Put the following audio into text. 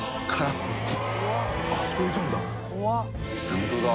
ホントだ。